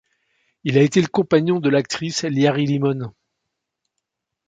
Il a été le compagnon de l'actrice Iyari Limon.